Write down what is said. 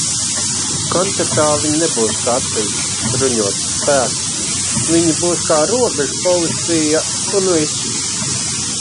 Konceptuāli viņi nebūs kā atsevišķs bruņots spēks, viņi būs kā robežpolicija, un viss.